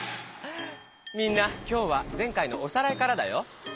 みんな今日は前回のおさらいからだよ。